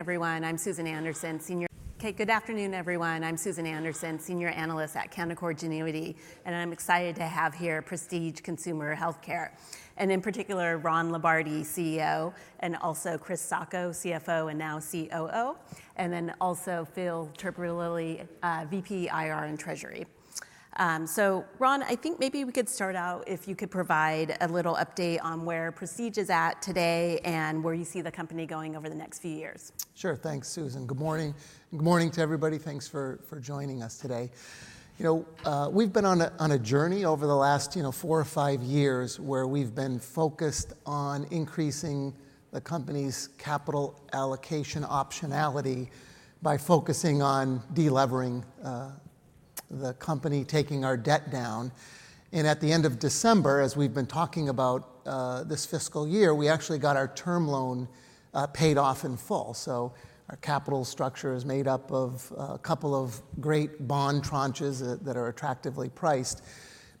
Okay, good afternoon, everyone. I'm Susan Anderson, Senior Analyst at Canaccord Genuity, and I'm excited to have here Prestige Consumer Healthcare. And in particular, Ron Lombardi, CEO, and also Chris Sacco, CFO and now COO, and then also Phil Terpolilli, VP IR and Treasury. So, Ron, I think maybe we could start out if you could provide a little update on where Prestige is at today and where you see the company going over the next few years. Sure, thanks, Susan. Good morning. Good morning to everybody. Thanks for joining us today. You know, we've been on a journey over the last, you know, four or five years where we've been focused on increasing the company's capital allocation optionality by focusing on delevering the company, taking our debt down, and at the end of December, as we've been talking about this fiscal year, we actually got our term loan paid off in full, so our capital structure is made up of a couple of great bond tranches that are attractively priced,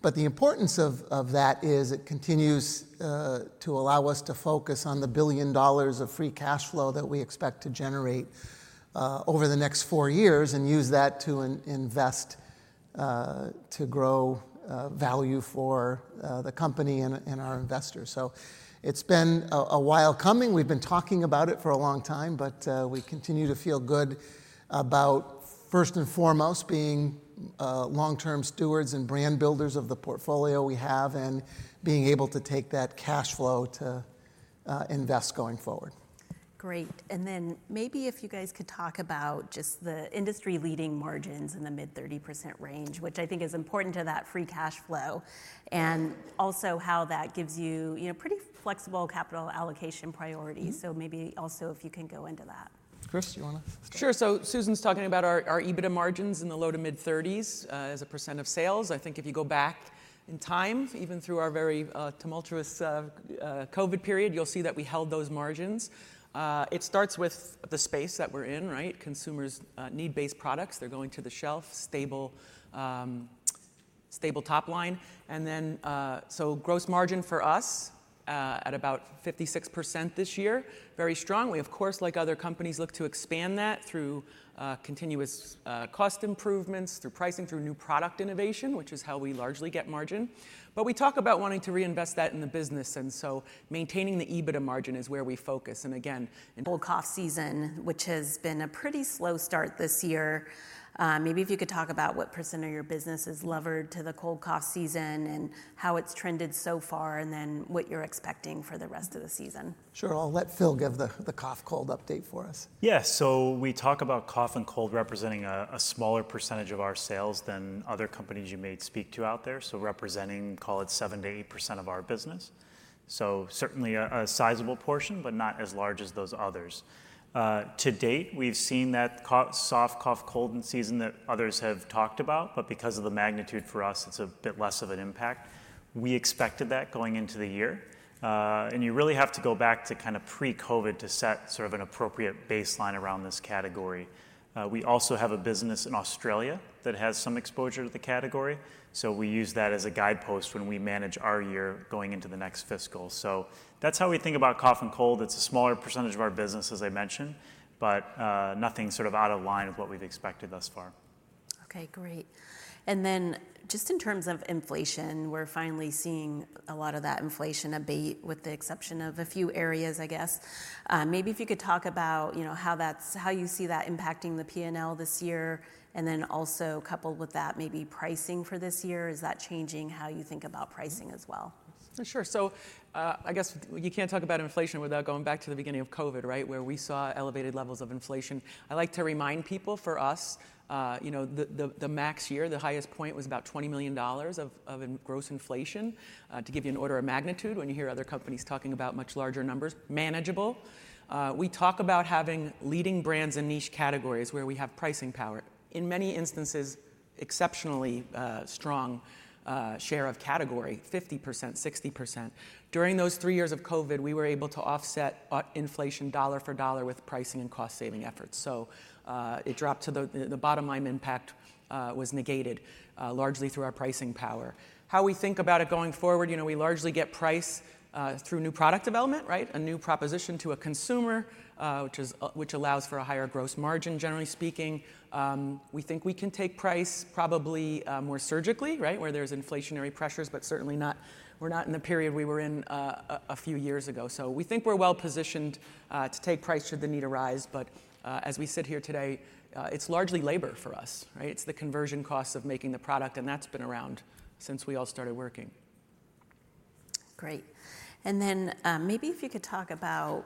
but the importance of that is it continues to allow us to focus on the $1 billion of free cash flow that we expect to generate over the next four years and use that to invest, to grow value for the company and our investors, so it's been a while coming. We've been talking about it for a long time, but we continue to feel good about, first and foremost, being long-term stewards and brand builders of the portfolio we have and being able to take that cash flow to invest going forward. Great. And then maybe if you guys could talk about just the industry-leading margins in the mid-30% range, which I think is important to that free cash flow, and also how that gives you, you know, pretty flexible capital allocation priorities. So maybe also if you can go into that. Chris, do you want to start? Sure. So Susan's talking about our EBITDA margins in the low to mid-30s as a % of sales. I think if you go back in time, even through our very tumultuous COVID period, you'll see that we held those margins. It starts with the space that we're in, right? Consumers need base products. They're going to the shelf, stable, stable top line. And then so gross margin for us at about 56% this year, very strong. We, of course, like other companies, look to expand that through continuous cost improvements, through pricing, through new product innovation, which is how we largely get margin. But we talk about wanting to reinvest that in the business. And so maintaining the EBITDA margin is where we focus. And again, in. Cold cough season, which has been a pretty slow start this year. Maybe if you could talk about what % of your business is levered to the cold cough season and how it's trended so far, and then what you're expecting for the rest of the season. Sure. I'll let Phil give the cough cold update for us. Yeah. So we talk about cough and cold representing a smaller percentage of our sales than other companies you may speak to out there. So representing, call it 7%-8% of our business. So certainly a sizable portion, but not as large as those others. To date, we've seen that soft cough cold season that others have talked about, but because of the magnitude for us, it's a bit less of an impact. We expected that going into the year. And you really have to go back to kind of pre-COVID to set sort of an appropriate baseline around this category. We also have a business in Australia that has some exposure to the category. So we use that as a guidepost when we manage our year going into the next fiscal. So that's how we think about cough and cold. It's a smaller percentage of our business, as I mentioned, but nothing sort of out of line with what we've expected thus far. Okay, great. And then just in terms of inflation, we're finally seeing a lot of that inflation abate, with the exception of a few areas, I guess. Maybe if you could talk about, you know, how that's, how you see that impacting the P&L this year, and then also coupled with that, maybe pricing for this year, is that changing how you think about pricing as well? Sure. So I guess you can't talk about inflation without going back to the beginning of COVID, right, where we saw elevated levels of inflation. I like to remind people for us, you know, the max year, the highest point was about $20 million of gross inflation. To give you an order of magnitude, when you hear other companies talking about much larger numbers, manageable. We talk about having leading brands in niche categories where we have pricing power. In many instances, exceptionally strong share of category, 50%, 60%. During those three years of COVID, we were able to offset inflation dollar for dollar with pricing and cost saving efforts. So it dropped to the bottom line impact was negated largely through our pricing power. How we think about it going forward, you know, we largely get price through new product development, right? A new proposition to a consumer, which allows for a higher gross margin, generally speaking. We think we can take price probably more surgically, right, where there's inflationary pressures, but certainly not, we're not in the period we were in a few years ago. So we think we're well positioned to take price should the need arise. But as we sit here today, it's largely labor for us, right? It's the conversion costs of making the product, and that's been around since we all started working. Great and then maybe if you could talk about.